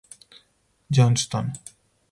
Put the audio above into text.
Johnston.